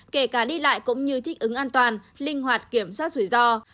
kể cả đi lại cũng như thích ứng an toàn linh hoạt kiểm soát rủi ro